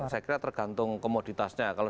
saya kira tergantung komoditasnya kalau